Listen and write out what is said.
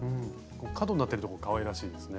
角になってるところかわいらしいですね。